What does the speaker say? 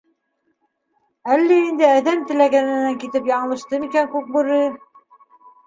Әллә инде әҙәм тәләгенән китеп яңылышты микән Күкбүре?